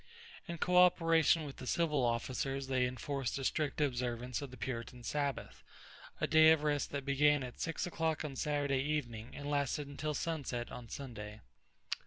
In coöperation with the civil officers they enforced a strict observance of the Puritan Sabbath a day of rest that began at six o'clock on Saturday evening and lasted until sunset on Sunday.